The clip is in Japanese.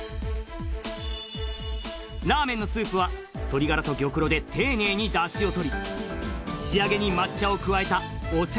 ラーメンのスープは鶏ガラと玉露で丁寧にダシを取り仕上げに抹茶を加えたお茶